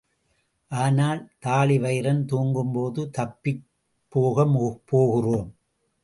ஆனால், தாழிவயிறன் தூங்கும்போது தப்பிப் போக போகிறோம்.